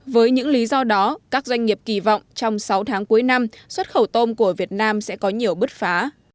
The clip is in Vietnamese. với những lý do đó các doanh nghiệp kỳ vọng trong sáu tháng cuối năm xuất khẩu tôm của việt nam sẽ có nhiều bứt phá